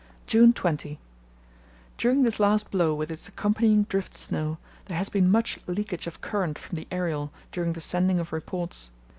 "June 20.—During this last blow with its accompanying drift snow there has been much leakage of current from the aerial during the sending of reports.